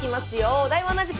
お題は同じく。